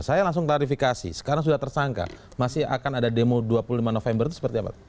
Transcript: saya langsung klarifikasi sekarang sudah tersangka masih akan ada demo dua puluh lima november itu seperti apa